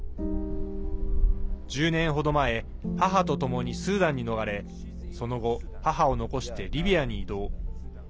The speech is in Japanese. １０年程前母とともにスーダンに逃れその後、母を残してリビアに移動。